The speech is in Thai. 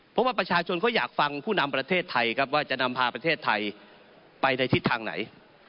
เพราะว่าประชาชนเขาอยากฟังผู้นำประเทศไทยครับว่าจะนำพาประเทศไทยไปในทิศทางไหน